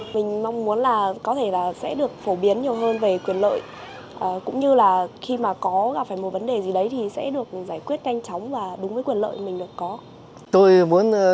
mình mong muốn là có thể là sẽ được phổ biến nhiều hơn về quyền lợi cũng như là khi mà có gặp phải một vấn đề gì đấy thì sẽ được giải quyết nhanh chóng và đúng với quyền lợi mình được có